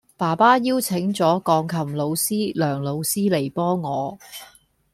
爸爸邀請咗鋼琴老師梁老師嚟幫我